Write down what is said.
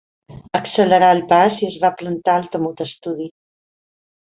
Accelerà el pas i es va plantar al temut estudi.